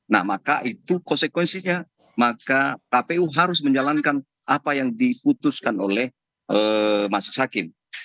nah maka itu konsekuensinya maka kpu harus menjalankan apa yang diputuskan oleh majelis hakim